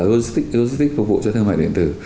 logistics phục vụ cho thương mại điện tử